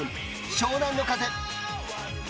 湘南乃風。